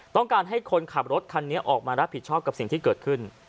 ต้องการให้คนขับรถคันนี้ออกมารับผิดชอบกับสิ่งที่เกิดขึ้น